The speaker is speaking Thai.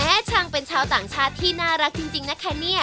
ช่างเป็นชาวต่างชาติที่น่ารักจริงนะคะเนี่ย